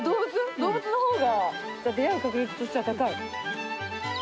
動物のほうが出会う確率としては高い？